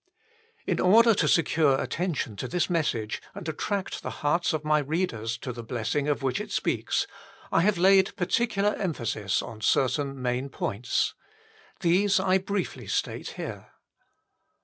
In order to secure attention to this message and attract the hearts of my readers to the blessing of which it speaks, I have laid particular emphasis on certain main points. These I briefly state here.